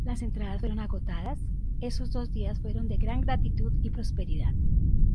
Las entradas fueron agotadas, esos dos días fueron de gran gratitud y prosperidad.